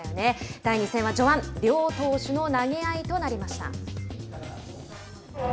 第２戦は序盤両投手の投げ合いとなりました。